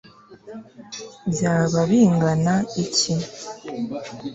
byaba bingana iki